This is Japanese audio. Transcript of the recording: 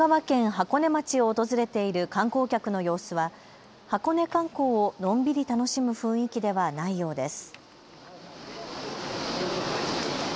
箱根町を訪れている観光客の様子は箱根観光をのんびり楽しむ雰囲気ではないようです。